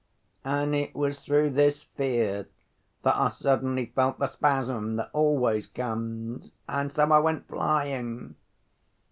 And it was through this fear that I suddenly felt the spasm that always comes ... and so I went flying.